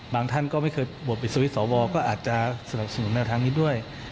ท่านก็ไม่เคยโหวตปิดสวิตช์สวก็อาจจะสนับสนุนแนวทางนี้ด้วย